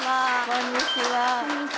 こんにちは。